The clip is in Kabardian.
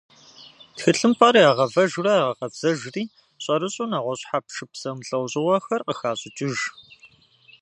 Тхылъымпӏэр ягъэвэжурэ ягъэкъэбзэжри, щӏэрыщӏэу нэгъуэщӏ хьэпшып зэмылӏэужьыгъуэхэр къыхащӏыкӏыж.